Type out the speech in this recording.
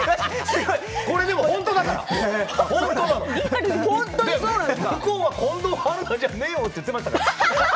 本当だから向こうは近藤春菜じゃねえよって言ってました。